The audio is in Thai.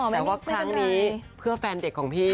แต่ว่าครั้งนี้เพื่อแฟนเด็กของพี่